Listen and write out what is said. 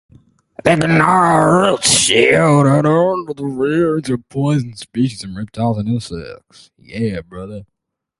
The gnarled roots sheltered a hundred varieties of poisonous reptiles and insects.